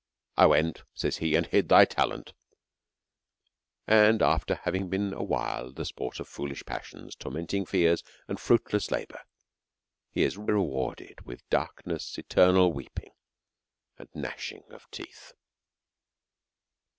I went, says he, and hid thy talent : and after having been awhile the s])ort of foolish passions, tormenting fears, and fruitless labours, he is rewarded with dark ness, eternal weeping, and gnashing of teeth.